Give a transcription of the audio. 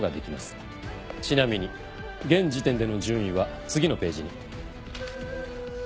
ちなみに現時点での順位は次のページに。